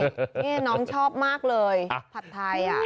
นี่น้องชอบมากเลยผัดไทย